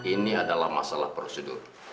ini adalah masalah prosedur